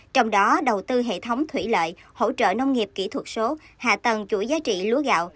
trong đó đầu tư hệ thống thủy lợi hỗ trợ nông nghiệp kỹ thuật số hạ tầng chuỗi giá trị lúa gạo